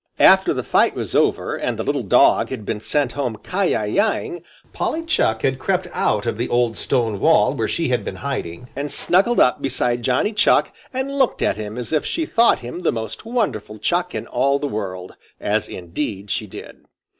After the fight was over, and the little dog had been sent home kiyi yi ing, Polly Chuck had crept out of the old stone wall where she had been hiding and snuggled up beside Johnny Chuck and looked at him as if she thought him the most wonderful Chuck in all the world, as, indeed, she did.